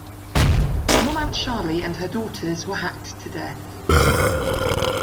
Nomantshali and her daughters were hacked to death.